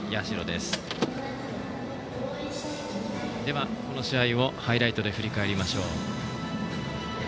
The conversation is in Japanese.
では、この試合をハイライトで振り返りましょう。